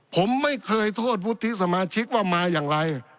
ผมไม่เคยโทษวุฒิสมาชิกว่ามาอย่างไร